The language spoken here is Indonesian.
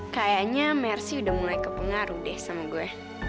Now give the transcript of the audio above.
kayaknya mercy udah mulai kepengaruh deh sama gue